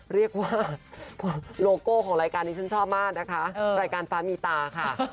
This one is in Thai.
เรียกว่าโลโก้ของรายการนี้ฉันชอบมากนะคะรายการฟ้ามีตาค่ะ